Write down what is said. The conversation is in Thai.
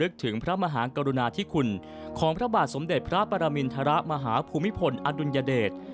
ถึงพระมหากรุณาธิคุณของพระบาทสมเด็จพระปรมินทรมาฮภูมิพลอดุลยเดช